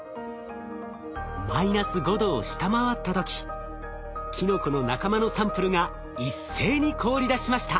マイナス５℃を下回った時キノコの仲間のサンプルが一斉に凍りだしました。